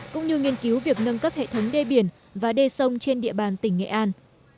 cũng như nghiên cứu việc nâng cấp hệ thống đê biển và đê sông trên địa bàn tỉnh nghệ an